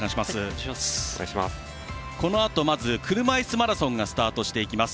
このあとまず車いすマラソンがスタートしていきます。